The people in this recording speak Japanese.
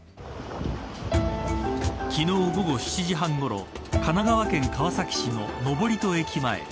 昨日、午後７時半ごろ神奈川県川崎市に登戸駅前。